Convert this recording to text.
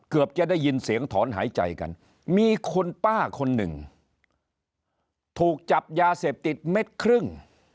เกือบจะได้ยินเสียงถอนหายใจกันมีคุณป้าคนหนึ่งถูกจับยาเสพติดเม็ดครึ่ง